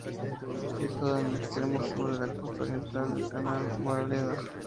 Situada en el extremo sur de la costa oriental del canal Moraleda.